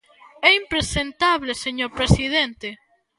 ¡É impresentable, señor presidente!